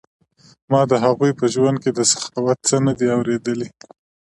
ما د هغوی په ژوند کې د سخاوت څه نه دي اوریدلي.